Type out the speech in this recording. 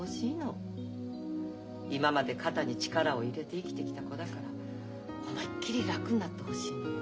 今まで肩に力を入れて生きてきた子だから思いっきり楽になってほしいのよ。